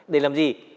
để làm gì